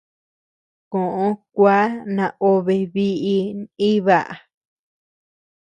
Koʼö kua naobe biʼi naíba.